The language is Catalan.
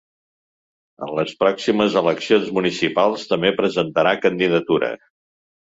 En les pròximes eleccions municipals, també presentarà candidatura.